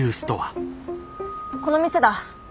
この店だ。